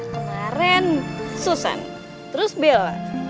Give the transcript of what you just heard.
kemaren susan terus bella